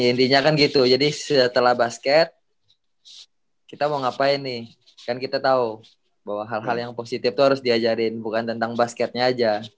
jadi intinya kan gitu jadi setelah basket kita mau ngapain nih kan kita tau bahwa hal hal yang positif tuh harus diajarin bukan tentang basketnya aja